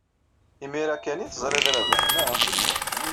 Imir-a kan ay teẓrid Rabaḥ, naɣ?